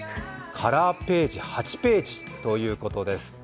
カラーページ、８ページということです。